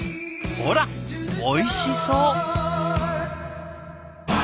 ほらおいしそう！